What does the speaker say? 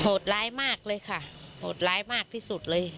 ร้ายมากเลยค่ะโหดร้ายมากที่สุดเลย